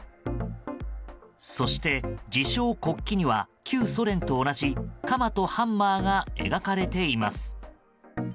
そして、自称国旗には旧ソ連と同じ鎌とハンマーが描かれています。